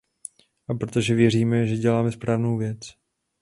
A protože věříme, že děláme správnou věc.